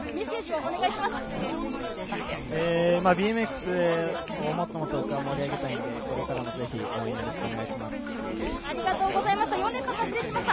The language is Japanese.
ＢＭＸをもっともっと僕が盛り上げたいので、これからもぜひ応援よろしくお願いします。